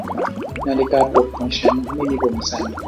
นาฬิกาปลุกของฉันไม่มีปุ่มสั่น